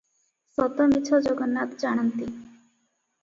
ସତ ମିଛ ଜଗନ୍ନାଥ ଜାଣନ୍ତି ।